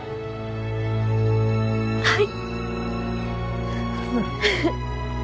はい。